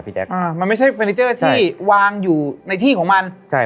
แจ๊คอ่ามันไม่ใช่เฟอร์นิเจอร์ที่วางอยู่ในที่ของมันใช่